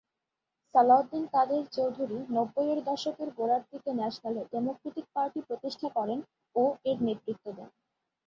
সালাহউদ্দিন কাদের চৌধুরী নব্বইয়ের দশকের গোড়ার দিকে ন্যাশনাল ডেমোক্রেটিক পার্টি প্রতিষ্ঠা করেন ও এর নেতৃত্ব দেন।